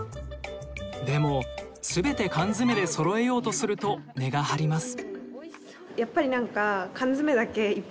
でもすべて缶詰でそろえようとすると値が張ります。